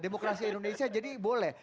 demokrasi indonesia jadi boleh